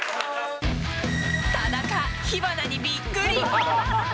田中、火花にびっくり。